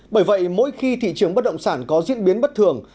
bởi vậy mỗi khi thị trường bất động sản có diễn biến bất thường